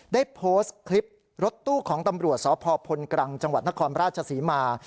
ได้โพสต์คลิปรถตู้ของตำรวจสพพลกรังจังหวัดนครราชศรีมา